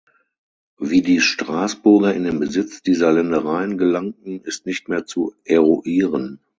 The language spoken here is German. Wie die Strassburger in den Besitz dieser Ländereien gelangten, ist nicht mehr zu eruieren.